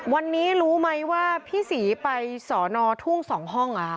วันนี้รู้ไหมว่าพี่ศรีไปสอนอทุ่ง๒ห้อง